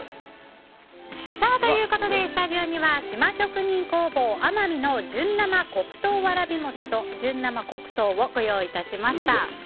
ということでスタジオには島職人工房奄美の純生黒糖わらび餅と純生黒糖をご用意いたしました。